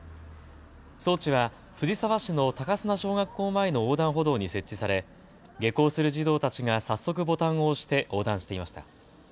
装置は藤沢市の高砂小学校前の横断歩道に設置され、下校する児童たちが早速ボタンを押して横断していました。